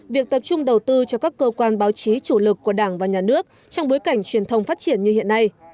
việc tập trung đầu tư cho các cơ quan báo chí chủ lực của đảng và nhà nước trong bối cảnh truyền thông phát triển như hiện nay